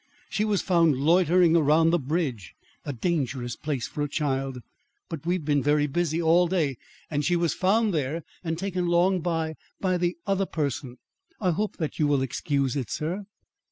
She was found loitering around the bridge a dangerous place for a child, but we've been very busy all day and she was found there and taken along by by the other person. I hope that you will excuse it, sir."